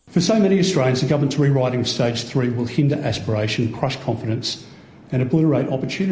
pemotongan pajak tahap ketiga akan menghindari aspirasi mencobal kepercayaan dan memperlukan kesempatan